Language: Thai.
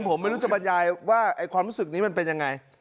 ผมไม่รู้จะบรรยายว่าความรู้สึกนี้มันเป็นยังไง